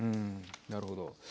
なるほど。